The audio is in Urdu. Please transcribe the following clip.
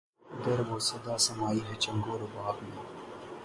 گر وہ صدا سمائی ہے چنگ و رباب میں